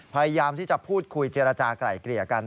พยายามที่จะพูดคุยเจรจากลายเกลี่ยกัน